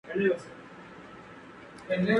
Many long-time citizens moved away during that period.